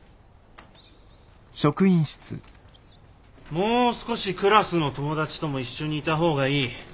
もう少しクラスの友達とも一緒にいた方がいい。